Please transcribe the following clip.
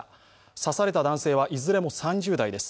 刺された男性はいずれも３０代です。